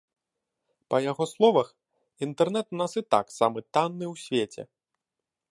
Па яго словах, інтэрнэт у нас і так самы танны ў свеце.